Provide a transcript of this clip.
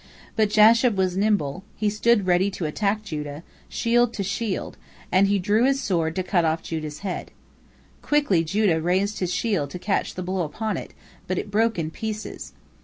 But Jashub was nimble, he stood ready to attack Judah, shield to shield, and he drew his sword to cut off Judah's head. Quickly Judah raised his shield to catch the blow upon it, but it broke in pieces.